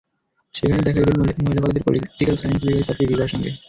সেখানেই দেখা ইডেন মহিলা কলেজের পলিটিক্যাল সায়েন্স বিভাগের ছাত্রী রিপার সঙ্গে।